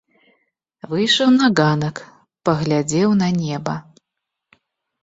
Выйшаў на ганак, паглядзеў на неба.